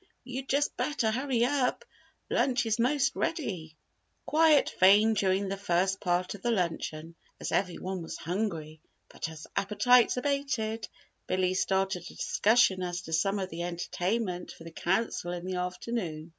You'd just better hurry up! Lunch is most ready!" Quiet reigned during the first part of the luncheon as every one was hungry. But as appetites abated, Billy started a discussion as to some of the entertainment for the Council in the afternoon.